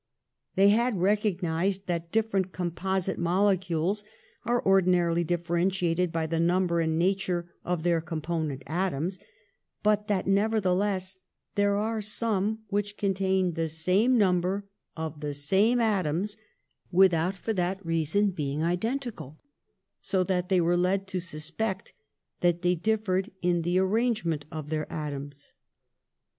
They had recognised that different composite molecules are ordinarily differentiated by the number and nature of their component atoms, but that nevertheless there are some which con tain the same number of the same atoms with out for that reason being identical, so that they were led to suspect that they differed in the ar rangement of their atoms.